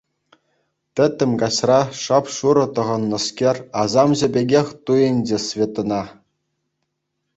Тӗттӗм каҫра шап-шурӑ тӑхӑннӑскер асамҫӑ пекех туйӑнчӗ Светӑна.